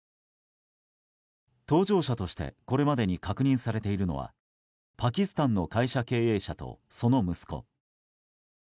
搭乗者としてこれまでに確認されいているのはパキスタンの会社経営者とその息子。